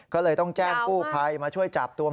ก็เลยต้องแจ้งกู้ภัยมาช่วยจับตัว